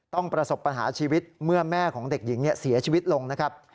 ประสบปัญหาชีวิตเมื่อแม่ของเด็กหญิงเสียชีวิตลงนะครับ